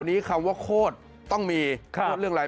วันนี้คำว่าโคตรต้องมีเรื่องอะไร